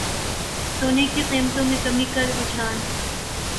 سونے کی قیمتوں میں کمی کا رجحان